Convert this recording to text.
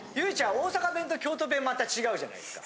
大阪弁と京都弁また違うじゃないですか。